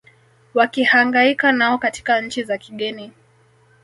wakihangaika nao katika nchi za kigeni